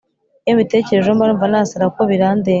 iyo mbitekereje mbanumva nasara kuko birandenga